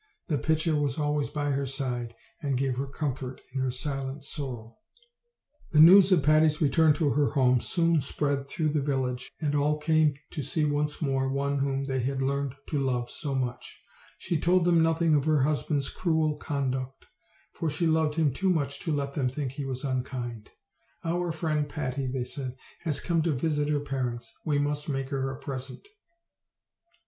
The pitcher was always by her side, and gave her comfort in her silent sorrow. The news of Patty's return to her home soon spread through the village, and all came to see once more one whom they had learned to love so much. She told them nothing of her husband's cruel conduct, for she loved him too much to let them think he was unkind. "Our friend Patty," they said, "has come to visit her parents; we must make her a present." OLD, OLD FAIRT TALES. 2?